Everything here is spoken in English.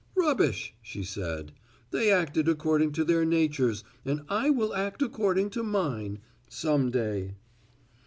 "Rubbish," she said. "They acted according to their natures and I will act according to mine some day."